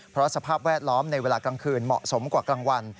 เพราะสภาพแวดล้อมในเวลากลางคืนเหมาะสมกว่ากลางวัน